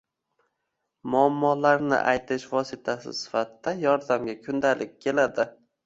muammolarini aytish vositasi sifatida yordamga kundalik keladi.